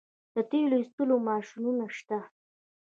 د تیلو ایستلو ماشینونه شته